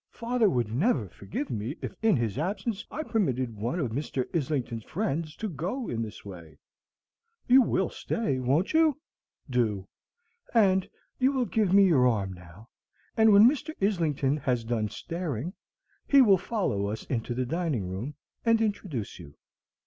"Father would never forgive me if in his absence I permitted one of Mr. Islington's friends to go in this way. You will stay, won't you? Do! And you will give me your arm now; and when Mr. Islington has done staring, he will follow us into the dining room and introduce you."